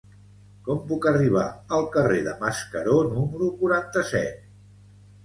Com puc arribar al carrer de Mascaró número quaranta-set?